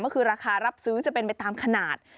ก็คือราคารับซื้อจะเป็นไปตามขนาด